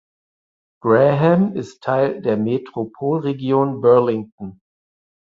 Graham ist Teil der Metropolregion Burlington.